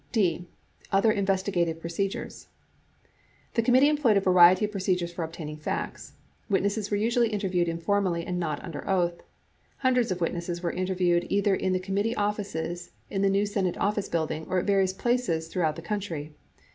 D. Other Investigative Procedures The committee employed a variety of procedures for obtaining facts. Witnesses were usually interviewed informally and not under oath. Hundreds of witnesses were interviewed either in the committee offices in the New Senate Office Building or at various places throughout the country.